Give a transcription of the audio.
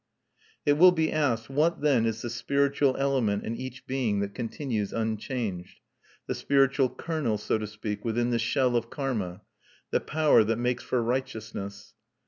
It will be asked, What then is the spiritual element in each being that continues unchanged, the spiritual kernel, so to speak, within the shell of karma, the power that makes for righteousness?